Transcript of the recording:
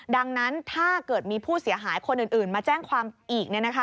ดังนั้นถ้าเกิดมีผู้เสียหายคนอื่นมาแจ้งความอีก